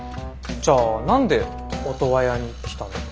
じゃあ何でオトワヤに来たの？